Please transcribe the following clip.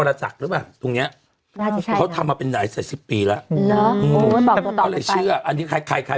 รู้ถึง๐๙๑๐ปีแล้วเขาจะบอกต่อไป